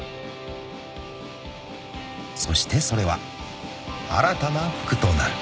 ［そしてそれは新たな福となる］